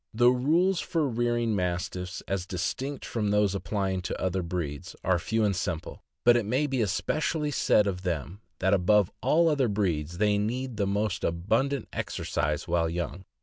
The rules for rearing Mastiffs, as distinct from those applying to other breeds, are few and simple, but it may be especially said of them that above all other breeds they need the most abundant exercise while young.